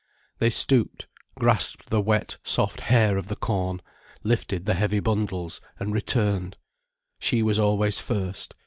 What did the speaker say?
They stooped, grasped the wet, soft hair of the corn, lifted the heavy bundles, and returned. She was always first.